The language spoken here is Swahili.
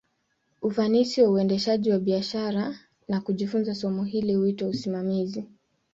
Ufanisi wa uendeshaji wa biashara, na kujifunza somo hili, huitwa usimamizi.